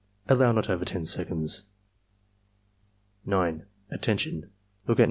(Allow not over 10 seconds.) 9. "Attention! Look at 9.